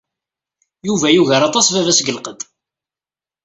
Yuba yugar aṭas baba-s deg lqedd.